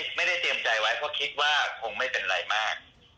ไม่ได้เตรียมใจไว้เพราะคิดว่าคงไม่เป็นไรมาก